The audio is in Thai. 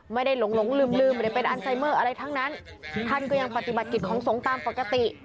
หลงลืมลืมไม่ได้เป็นอันไซเมอร์อะไรทั้งนั้นท่านก็ยังปฏิบัติกิจของสงฆ์ตามปกติ